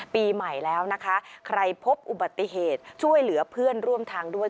ปีใหม่แล้วนะคะใครพบอุบัติเหตุช่วยเหลือเพื่อนร่วมทางด้วย